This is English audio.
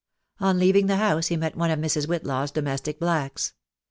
On leaving the house he met one of Mrs. Whitlaw's domestic blacks.